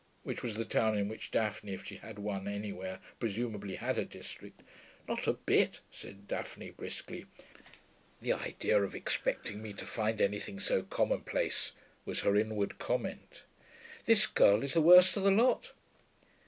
(which was the town in which Daphne, if she had one anywhere, presumably had a district). 'Not a bit,' said Daphne briskly. 'The idea of expecting me to find anything so commonplace,' was her inward comment. 'This girl is the worst of the lot.'